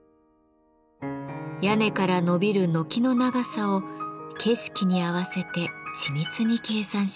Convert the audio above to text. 屋根からのびる軒の長さを景色に合わせて緻密に計算しました。